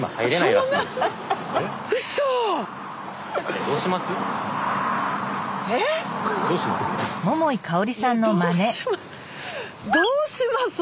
いや「どうします？」。